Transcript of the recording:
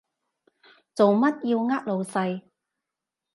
做乜要呃老細？